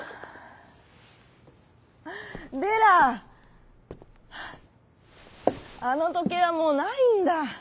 「デラあのとけいはもうないんだ」。